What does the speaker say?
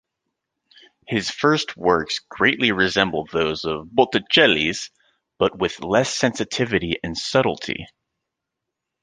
His first works greatly resemble those of Botticelli's, but with less sensitivity and subtlety.